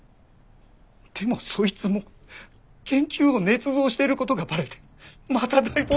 でもそいつも研究を捏造している事がバレてまた大暴落して。